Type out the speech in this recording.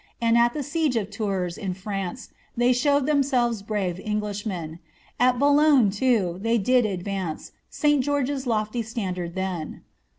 And at the siege of Tours,* in France, They showed themselves brave Eng lishmen; At Boulogne, too, they did advance St George's loAy standard then.